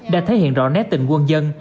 đã thể hiện rõ nét tình quân dân